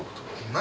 何？